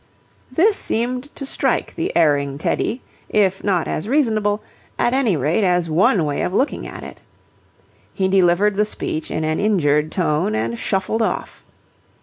This seemed to strike the erring Teddy, if not as reasonable, at any rate as one way of looking at it. He delivered the speech in an injured tone and shuffled off.